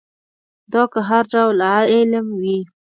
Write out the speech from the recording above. دا که هر ډول علم وي.